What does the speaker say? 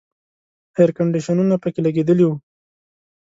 اییر کنډیشنونه پکې لګېدلي وو.